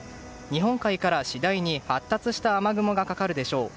日本海から次第に発達した雨雲がかかるでしょう。